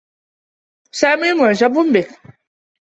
سامي معجب بكِ.